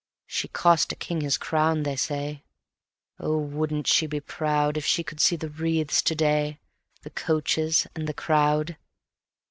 She cost a king his crown, they say; oh, wouldn't she be proud If she could see the wreaths to day, the coaches and the crowd!